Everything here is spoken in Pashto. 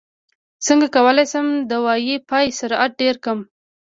څنګه کولی شم د وائی فای سرعت ډېر کړم